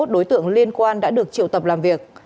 ba mươi một đối tượng liên quan đã được triệu tập làm việc